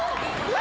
何？